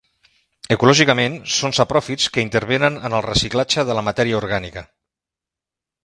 Ecològicament són sapròfits que intervenen en el reciclatge de matèria orgànica.